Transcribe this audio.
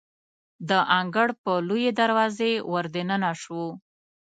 د انګړ په لویې دروازې وردننه شوو.